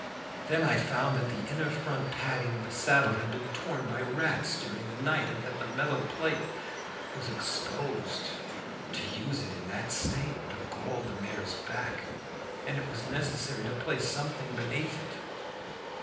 Then I found that the inner front padding of the saddle had been torn by rats during the night, and that the metal plate was exposed. To use it in that state would have galled the mare's back, and it was necessary to place something beneath it.